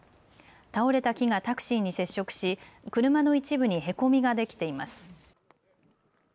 倒れた木がタクシーに接触し車の一部にへこみができています。